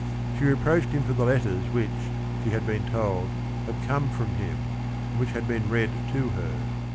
She re proached him for the letters which, she had been told, had come from him, and which had been read to her.